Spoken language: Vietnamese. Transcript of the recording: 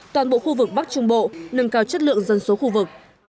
toàn bộ khu vực bắc trung bộ nâng cao chất lượng dân số khu vực